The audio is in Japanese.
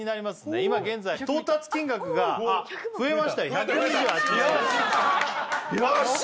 今現在到達金額が増えました１２８万円よっしゃ！